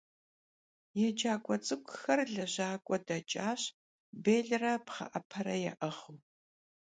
Yêcak'ue ts'ık'uxer lejak'ue deç'aş, bêlre pxhe'epere ya'ığıu.